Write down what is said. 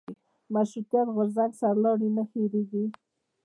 مشروطیت غورځنګ سرلاري نه هېرېږي.